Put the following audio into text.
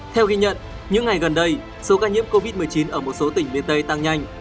theo ghi nhận những ngày gần đây số ca nhiễm covid một mươi chín ở một số tỉnh miền tây tăng nhanh